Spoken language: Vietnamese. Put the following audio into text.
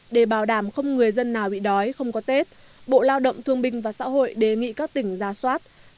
để bảo đảm không người dân nào bị đói không có tết bộ lao động thương binh và xã hội đề nghị các tỉnh ra soát